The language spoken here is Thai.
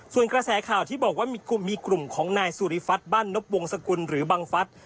ส่วนกระแสข่าวที่บอกว่ามีกลุ่มของนายสุริฟัฒนบ้านนบวงสกุลหรือบังฟัส